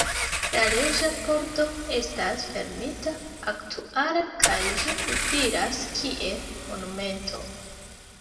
La Reĝa Pordo estas fermita aktuale kaj ĝi utilas kiel monumento.